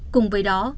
cùng với đó